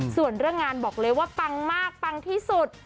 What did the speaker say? ส่วนเรื่องงานบอกเลยว่าปังมากปังที่สุด